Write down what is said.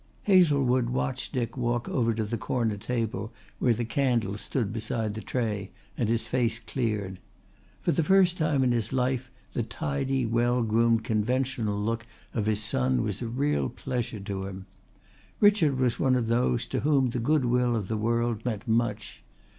Hazlewood watched Dick walk over to the corner table where the candles stood beside the tray, and his face cleared. For the first time in his life the tidy well groomed conventional look of his son was a real pleasure to him. Richard was of those to whom the good will of the world meant much.